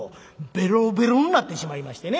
ベロベロになってしまいましてね